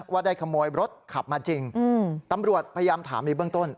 ว่าได้ขโมยรถขับมาจริงตำรวจพยายามถามในเบื้องต้น